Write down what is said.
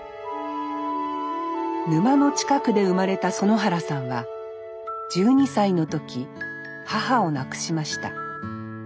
沼の近くで生まれた園原さんは１２歳の時母を亡くしました。